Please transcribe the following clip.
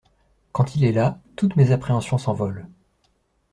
Quand il est là, toutes mes appréhensions s’envolent.